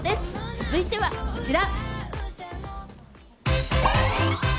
続いてはこちら！